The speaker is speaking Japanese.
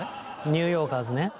ニューヨーカーズね。